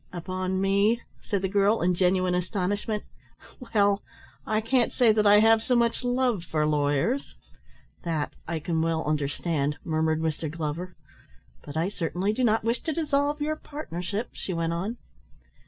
"Upon me?" said the girl in genuine astonishment. "Well, I can't say that I have so much love for lawyers " "That I can well understand," murmured Mr. Glover. "But I certainly do not wish to dissolve your partnership," she went on.